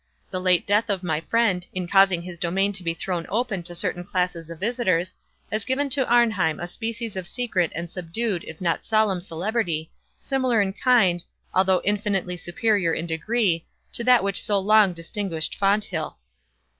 The late death of my friend, in causing his domain to be thrown open to certain classes of visitors, has given to Arnheim a species of secret and subdued if not solemn celebrity, similar in kind, although infinitely superior in degree, to that which so long distinguished Fonthill.